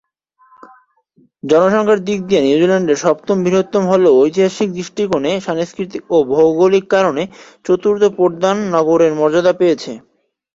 জনসংখ্যার দিক দিয়ে নিউজিল্যান্ডের সপ্তম বৃহত্তম হলেও ঐতিহাসিক দৃষ্টিকোণে, সাংস্কৃতিক ও ভৌগোলিক কারণে চতুর্থ প্রধান নগরের মর্যাদা পেয়েছে।